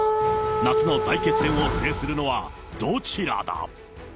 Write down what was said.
夏の大決戦を制するのはどちらだ？